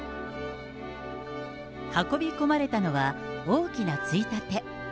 運び込まれたのは、大きな衝立。